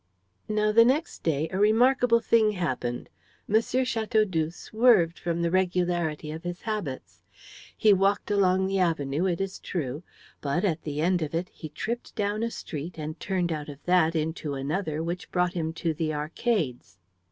Now the next day a remarkable thing happened. M. Chateaudoux swerved from the regularity of his habits. He walked along the avenue, it is true; but at the end of it he tripped down a street and turned out of that into another which brought him to the arcades.